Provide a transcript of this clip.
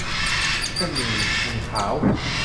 เส้นหมี่ หมี่ขาว